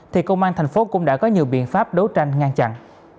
thì công an thành phố cũng đã có nhiều biện pháp đấu tranh ngăn chặn